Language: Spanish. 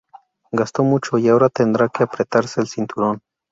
Gastó mucho y ahora tendrá que apretarse el cinturón